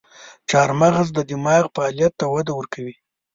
چارمغز د دماغ فعالیت ته وده ورکوي.